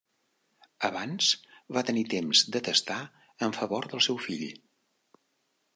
Abans va tenir temps de testar en favor del seu fill.